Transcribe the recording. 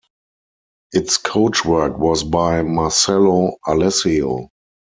Its coachwork was by Marcello Alessio.